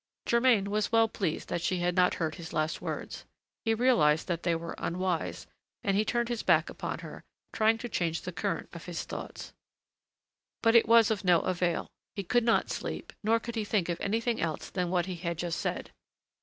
Germain was well pleased that she had not heard his last words; he realized that they were unwise, and he turned his back upon her, trying to change the current of his thoughts. But it was of no avail, he could not sleep, nor could he think of anything else than what he had just said.